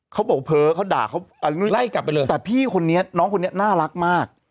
เขาบอกเผลอเขาด่าเขาอะไรแต่พี่คนนี้น้องคนนี้น่ารักมาก